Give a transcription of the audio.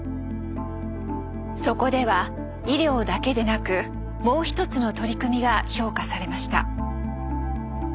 そこでは医療だけでなくもう一つの取り組みが評価されました。